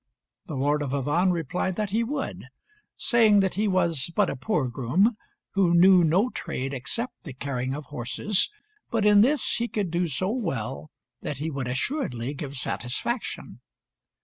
The Lord of Avannes replied that he would; saying that he was but a poor groom, who knew no trade except the caring of horses, but in this he could do so well that he would assuredly give satisfaction.